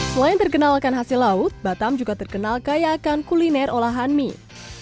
selain terkenalkan hasil laut batam juga terkenal kaya akan kuliner olahan mie